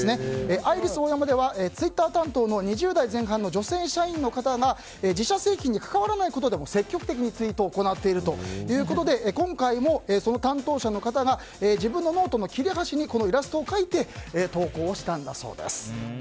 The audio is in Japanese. アイリスオーヤマではツイッター担当の２０代前半の女性社員の方が自社製品に関わらないことでも積極的にツイートを行っているということで、今回もその担当者の方が自分のノートの切れ端にこのイラストを描いて投稿をしたんだそうです。